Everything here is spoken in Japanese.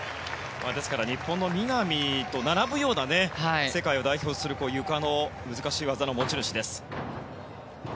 ですから日本の南と並ぶような世界を代表するゆかの難しい技の持ち主です。